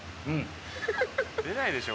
出ないでしょ